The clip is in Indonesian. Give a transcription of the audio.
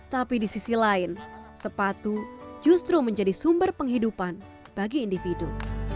tapi di sisi lain sepatu justru menjadi sumber penghidupan bagi individu